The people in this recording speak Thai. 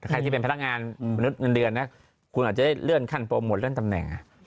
ใครที่เป็นพนักงานคุณอาจจะได้เลื่อนขั้นโปรโมทเลื่อนตำแหน่ง